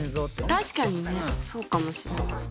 確かにねそうかもしれない。